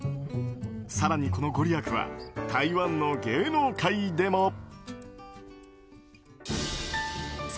更にこのご利益は台湾の芸能界でも。